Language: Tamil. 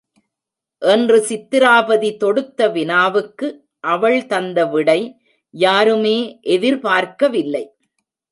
என்று சித்திராபதி தொடுத்த வினாவுக்கு அவள் தந்த விடை யாருமே எதிர் பார்க்கவில்லை.